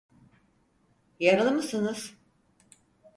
Yaralı mısınız?